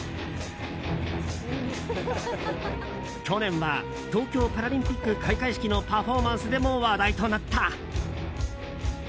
去年は東京パラリンピック開会式のパフォーマンスでも話題となった。